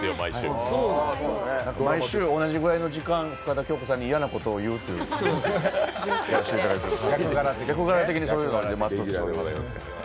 毎週同じくらいの時間、深田恭子さんに嫌なことを言うっていうのをやらせていただいてます、役柄的に。